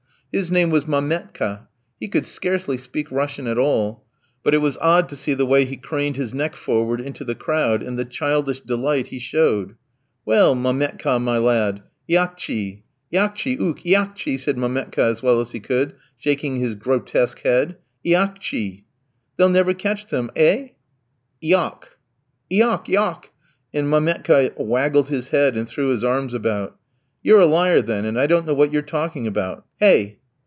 His name was Mametka, he could scarcely speak Russian at all, but it was odd to see the way he craned his neck forward into the crowd, and the childish delight he showed. "Well, Mametka, my lad, iakchi." "Iakchi, ouk, iakchi!" said Mametka as well as he could, shaking his grotesque head. "Iakchi." "They'll never catch them, eh? Iok." "Iok, iok!" and Mametka waggled his head and threw his arms about. "You're a liar, then, and I don't know what you're talking about. Hey!"